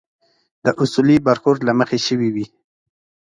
د اصولي برخورد له مخې شوي وي.